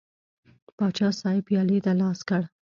پاچا صاحب پیالې ته لاس کړ.